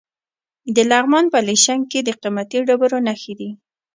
د لغمان په علیشنګ کې د قیمتي ډبرو نښې دي.